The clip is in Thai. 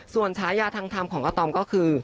ส่วนท้ายาทางทำของอาตอมก็คือ